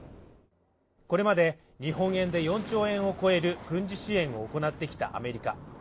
これまで日本円で４兆円を超える軍事支援を行ってきたアメリカ。